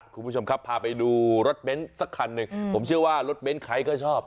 คุณผู้ชมครับพาไปดูรถเบ้นสักคันหนึ่งผมเชื่อว่ารถเบ้นใครก็ชอบ